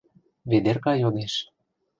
— Ведерка йодеш.